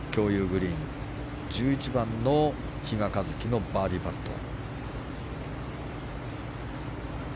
グリーン１１番の比嘉一貴、バーディーパット。